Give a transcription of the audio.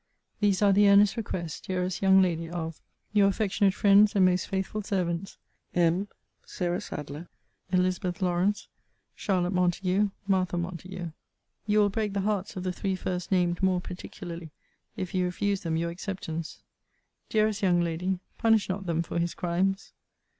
These are the earnest requests, dearest young lady, of Your affectionate friends, and most faithful servants, M. SARAH SADLEIR. ELIZ. LAWRANCE. CHARL. MONTAGUE. MARTH. MONTAGUE. You will break the hearts of the three first named more particularly, if you refuse them your acceptance. Dearest young lady, punish not them for his crimes.